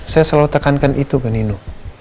saya selalu tekankan itu ke nino